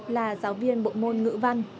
là giáo viên bộ môn ngữ văn